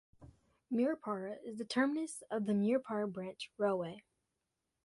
Murupara is the terminus of the Murupara Branch railway.